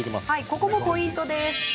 ここもポイントです。